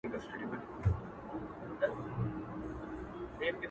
ږغ مي بدل سويدی اوس،